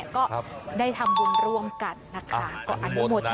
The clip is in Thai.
ก็ได้ทำบุญร่วมกันนะคะก็อันหมดณนะ